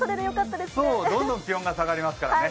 どんどん気温が下がりますからね。